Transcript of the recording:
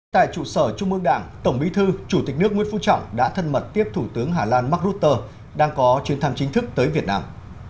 tại trụ sở trung mương đảng tổng bí thư chủ tịch nước nguyễn phú trọng đã thân mật tiếp thủ tướng hà lan mark rutte đang có chuyến thăm chính thức tới việt nam